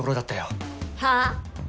はあ！？